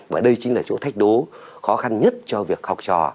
và đây chính là chỗ thách đố khó khăn nhất cho việc học trò